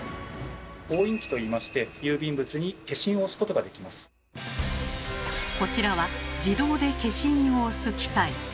「押印機」と言いましてこちらは自動で消印を押す機械。